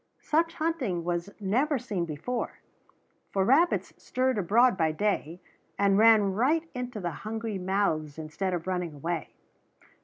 Such hunting was never seen before; for rabbits stirred abroad by day, and ran right into the hungry mouths instead of running away.